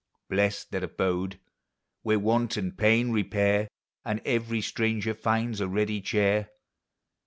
Blest that abode, where want and pain repair, And every stranger finds a ready chair!